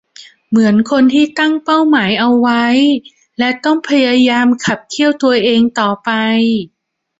เหมือนคนที่ตั้งเป้าหมายเอาไว้และต้องพยายามขับเคี่ยวตัวเองต่อไป